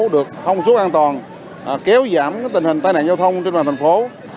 được không suốt an toàn kéo giảm tình hình tai nạn giao thông trên địa bàn thành phố